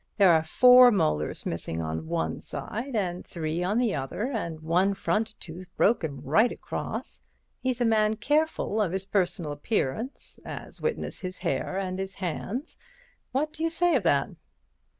There are four molars missing on one side and three on the other and one front tooth broken right across. He's a man careful of his personal appearance, as witness his hair and his hands. What do you say to that?"